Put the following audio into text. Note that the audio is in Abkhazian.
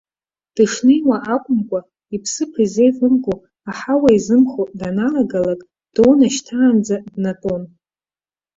Дышнеиуа акәымкәа, иԥсыԥ изеивымго, аҳауа изымхо даналагалак, доунашьҭаанӡа днатәон.